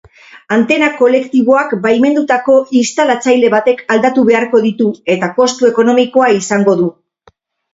Antena kolektiboak baimendutako instalatzaile batek aldatu beharko ditu eta kostu ekonomikoa izango du.